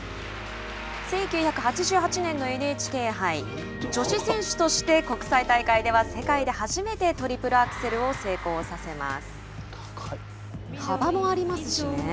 １９８８年のＮＨＫ杯女子選手として国際大会では世界で初めてトリプルアクセルを成功させます。